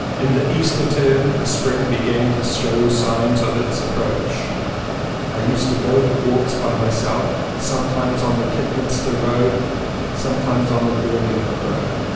In the Easter term the spring began to show signs of its approach. I used to go for walks by myself sometimes on the Kidderminster road, sometimes on the Birmingham road.